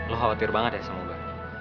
lu khawatir banget ya semoga